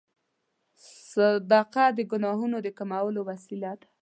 صدقه د ګناهونو د کمولو وسیله ده.